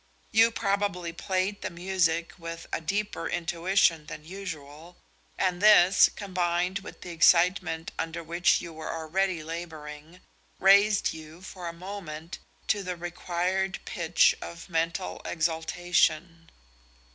You probably played the music with a deeper intuition than usual, and this, combined with the excitement under which you were already labouring, raised you for a moment to the required pitch of mental exaltation."